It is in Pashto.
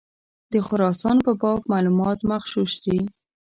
د خراسان په باب معلومات مغشوش دي.